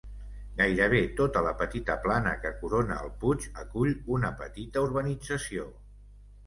Gairebé tota la petita plana que corona el puig acull una petita urbanització.